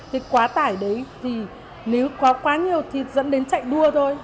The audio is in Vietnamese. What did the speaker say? thì quá tải đấy thì nếu quá nhiều thì dẫn đến chạy đua thôi